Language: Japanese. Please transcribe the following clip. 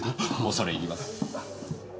恐れ入ります。